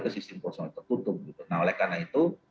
ke sistem personal tertutup nah oleh karena itu